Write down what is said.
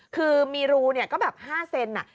คือมีรูเนี่ยก็แบบ๕เซนน่ะ